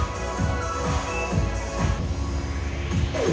ขอบคุณครับ